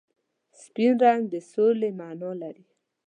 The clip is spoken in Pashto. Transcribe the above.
سپین رنګ د سولې مانا لري.